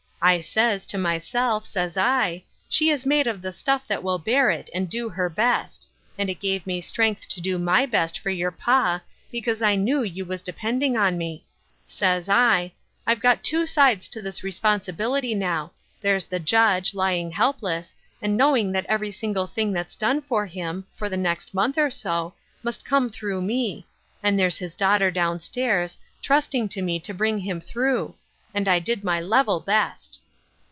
I says, to myself, says I, ' She is made of the stuff that will bear it, and do her best ;' and it give me strength to do my best for your pa, 'cause I knew 3^ou was depending on me. Says I, * I've got two sides to this responsibilit} now ; there's the Judge, lying helpless, and knowing that every single thing that's done for him, for the next month or so, must come through me ; and there's his daughter down stairs, trusting to me to bring him through ;' and I did my level best."